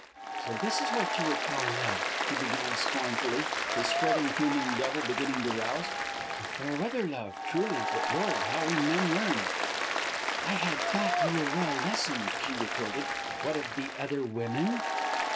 "So this is what you would call love?" he began, scornfully, his fretting, fuming devil beginning to rouse. "A fair weather love, truly. But, Lord, how we men learn!" "I had thought you were well lessoned," she retorted; "what of the other women?"